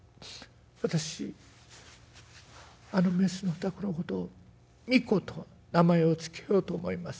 私あのメスのタコのことをミコと名前を付けようと思います。